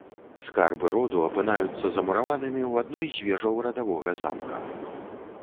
Скарбы роду апынаюцца замураванымі ў адной з вежаў радавога замка.